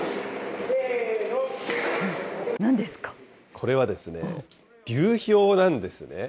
これはですね、流氷なんですね。